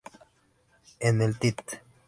En el "tit.